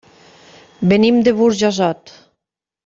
Venim de Burjassot.